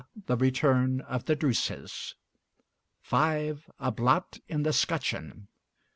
'The Return of the Druses.' 5. 'A Blot in the 'Scutcheon.'